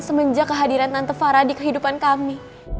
semenjak kehadiran tante farah di kehidupan kami